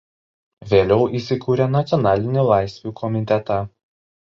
Vėliau jis įkūrė "Nacionalinį Laisvių Komitetą".